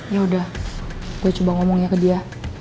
ini udah gue coba ngomongnya ke dia